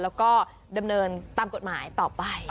แล้วก็ดำเนินตามกฎหมายต่อไป